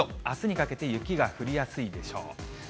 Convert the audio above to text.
あすにかけて雪が降りやすいでしょう。